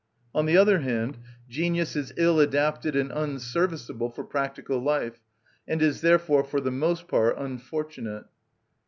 On the other hand, genius is ill adapted and unserviceable for practical life, and is therefore for the most part unfortunate.